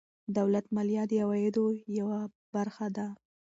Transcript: دولت مالیه د عوایدو یوه برخه ده.